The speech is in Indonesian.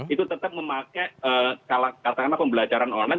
itu tetap memakai katakanlah pembelajaran online